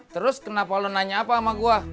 terus kenapa lo nanya apa sama gue